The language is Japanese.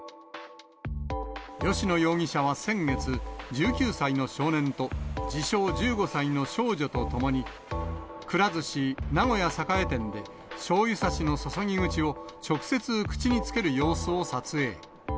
吉野容疑者は先月、１９歳の少年と自称１５歳の少女とともに、くら寿司名古屋栄店でしょうゆさしの注ぎ口を直接口につける様子を撮影。